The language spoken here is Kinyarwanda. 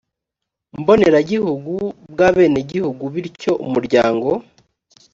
mboneragihugu bw abenegihugu bityo umuryango